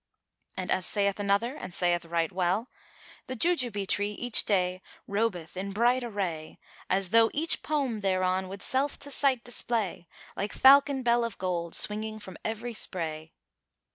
And as saith another and saith right well, "The Jujube tree each Day * Robeth in bright array. As though each pome thereon * Would self to sight display. Like falcon bell of gold * Swinging from every spray."